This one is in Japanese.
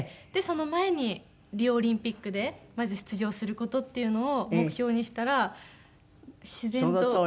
でその前にリオオリンピックでまず出場する事っていうのを目標にしたら自然と。